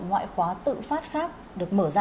ngoại khóa tự phát khác được mở ra